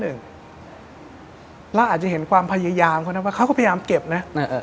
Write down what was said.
เราอาจจะเห็นความพยายามเขานะว่าเขาก็พยายามเก็บนะ